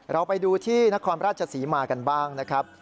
เราไปดูที่นครราชศรีมากันบ้างนะครับ